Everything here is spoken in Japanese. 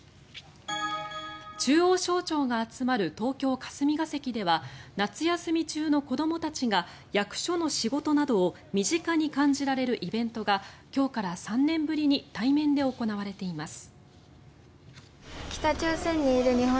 中央省庁が集まる東京・霞が関では夏休み中の子どもたちが役所の仕事などを身近に感じられるイベントが今日から３年ぶりに対面で行われています。